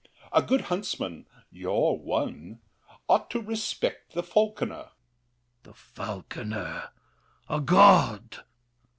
A good huntsman— You're one—ought to respect the falconer. THE KING. The falconer! A god!